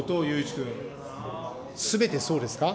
すべてそうですか。